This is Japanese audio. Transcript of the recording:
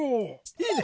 いいね！